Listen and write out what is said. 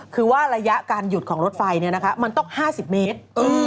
คือว่าระยะการหยุดของรถไฟมันต้อง๕๐เมตร